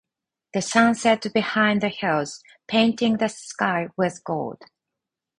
The sun set behind the hills, painting the sky with gold.